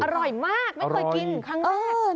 อร่อยมากไม่เคยกินครั้งแรก